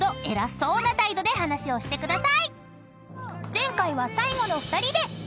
［前回は最後の２人で］